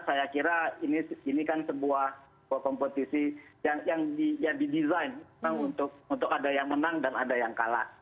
saya kira ini kan sebuah kompetisi yang didesain untuk ada yang menang dan ada yang kalah